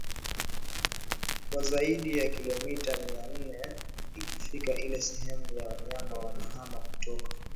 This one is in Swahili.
kwa zaidi ya kilomita mia nne na ikifika ile sehemu ya wanyama wanahama kutoka